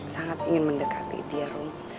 sangat ingin mendekati dia room